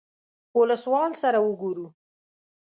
اولسوال سره وګورو.